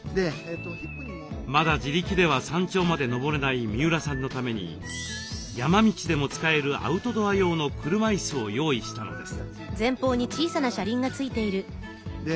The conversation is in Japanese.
まだ自力では山頂まで登れない三浦さんのために山道でも使えるアウトドア用の車いすを用意したのです。